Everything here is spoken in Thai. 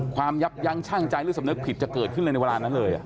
ความยับยั้งช่างใจหรือเสมอเนิกผิดจะเกิดขึ้นในเวลานั้นเลย